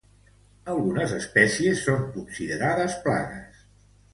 Algunes espècies són considerades plagues.